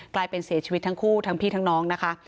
กลายเป็นเสียชีวิตทั้งคู่ทั้งพี่ทั้งน้องนะคะ